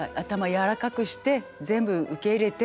柔らかくして全部受け入れて。